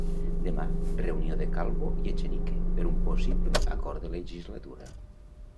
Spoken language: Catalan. Demà, reunió de Calvo i Echenique per un possible acord de legislatura.